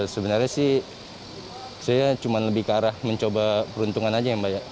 sebenarnya sih saya cuma lebih ke arah mencoba peruntungan aja yang banyak